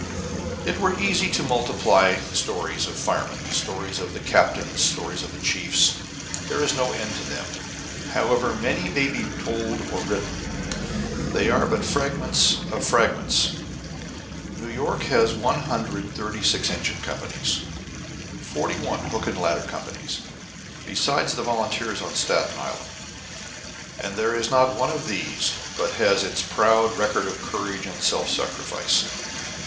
It were easy to multiply stories of the firemen, stories of the captains, stories of the chiefs there is no end to them. However many may be told or written, they are but fragments of fragments. New York has one hundred and thirty six engine companies, forty hook and ladder companies, besides the volunteers on Staten Island, and there is not one of these but has its proud record of courage and self sacrifice.